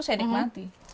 saya sudah banyak nanti